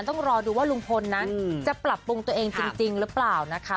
ต้องรอดูว่าลุงพลนั้นจะปรับปรุงตัวเองจริงหรือเปล่านะคะ